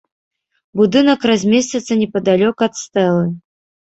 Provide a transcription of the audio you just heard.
Будынак размесціцца непадалёк ад стэлы.